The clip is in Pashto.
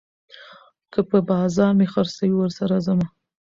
که په بازار مې خرڅوي، ورسره ځمه